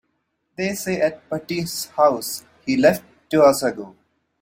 They say at Patti's house he left two hours ago.